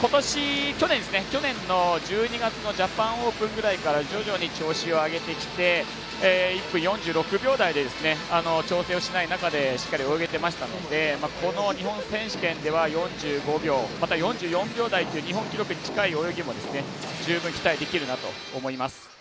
去年の１２月のジャパンオープンぐらいから徐々に調子を上げてきて１分４６秒台で調整をしない中でしっかり泳げてましたのでこの日本選手権では４５秒、または４４秒台という日本記録に近い泳ぎも十分、期待できるなと思います。